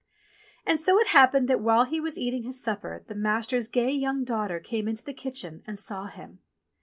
And it so happened that while he was eating his supper the master's gay young daughter came into the kitchen and saw him.